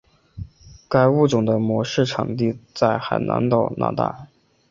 该物种的模式产地在海南岛那大。